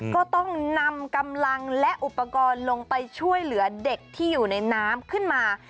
ก็ต้องนำกำลังและอุปกรณ์ลงไปช่วยเหลือเด็กที่อยู่ในน้ำขึ้นมา